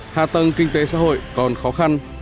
hạ tầng kinh tế xã hội còn khó khăn